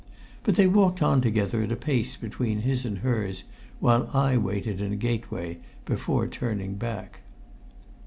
But they walked on together at a pace between his and hers, while I waited in a gateway before turning back.